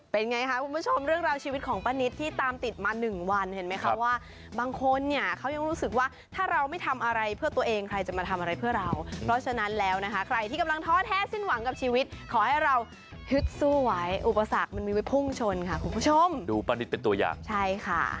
เป็นไงคะคุณผู้ชมเรื่องราวชีวิตของป้านิตที่ตามติดมาหนึ่งวันเห็นไหมคะว่าบางคนเนี่ยเขายังรู้สึกว่าถ้าเราไม่ทำอะไรเพื่อตัวเองใครจะมาทำอะไรเพื่อเราเพราะฉะนั้นแล้วนะคะใครที่กำลังท้อแท้สิ้นหวังกับชีวิตขอให้เราฮึดสู้ไว้อุปสรรคมันมีไว้พุ่งชนค่ะคุณผู้ชมดูป้านิตเป็นตัวอย่างใช่ค่ะ